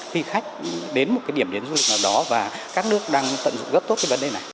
khi khách đến một cái điểm đến du lịch nào đó và các nước đang tận dụng rất tốt cái vấn đề này